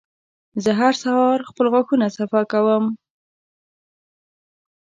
زه هر سهار خپل غاښونه صفا کوم.